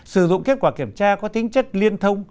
sử dụng kết quả kiểm tra có tính chất liên thông